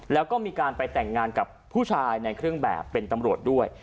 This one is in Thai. แล้วก็มีการไปแต่งงานกับผู้ชายในเครื่องแบบเป็นตำรวจด้วย